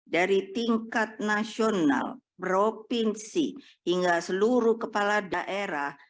dari tingkat nasional provinsi hingga seluruh kepala daerah